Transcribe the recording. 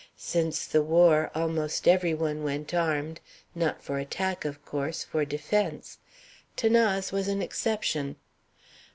Since the war almost every one went armed not for attack, of course; for defence. 'Thanase was an exception.